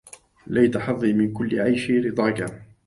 ليت حظي من كل عيشي رضاكا